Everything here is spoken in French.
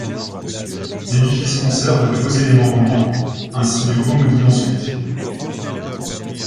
L'édifice conserve de beaux éléments romans, ainsi de beaux modillons sculptés.